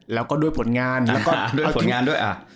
แล้วก็ด้วยผลงานด้วยผลงานด้วยอ่า